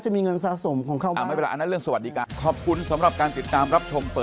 จะมีเงินสะสมของเขาบ้าง